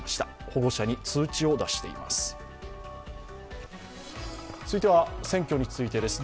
保護者に通知を出しています。